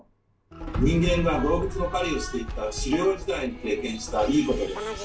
人間が動物の狩りをしていた狩猟時代に経験した「いいこと」です。